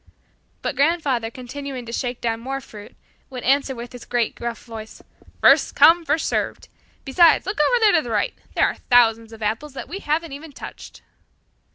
But grandfather continuing to shake down more fruit would answer with his great gruff voice, "First come, first served! Besides, look over there to the right! There are thousands of apples that we haven't even touched!"